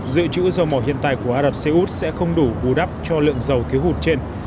dự trữ dầu mỏ hiện tại của ả rập xê út sẽ không đủ bù đắp cho lượng dầu thiếu hụt trên